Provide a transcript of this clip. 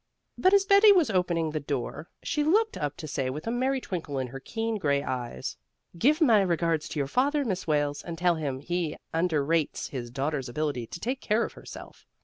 But as Betty was opening the door, she looked up to say with a merry twinkle in her keen gray eyes, "Give my regards to your father, Miss Wales, and tell him he underrates his daughter's ability to take care of herself."